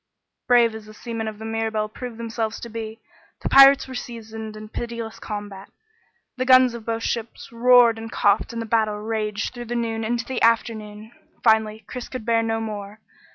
Brave as the seamen of the Mirabelle proved themselves to be, the pirates were seasoned in pitiless combat. The guns of both ships roared and coughed and the battle raged through the noon into the afternoon. Finally, Chris could bear no more.